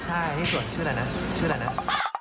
ใช่ที่สวนชื่อใดเนาะชื่อใดเนาะ